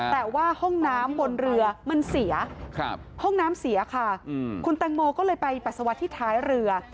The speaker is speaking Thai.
แต่ว่าห้องน้ำบนเรือมันเสียห้องน้ำเสียค่ะคุณแตงโมก็เลยไปปัสสาวะที่ท้ายเรือ